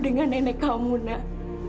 dengan nenek kamu nak